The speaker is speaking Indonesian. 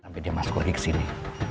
sampai dia masuk lagi kesini